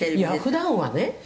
「普段はね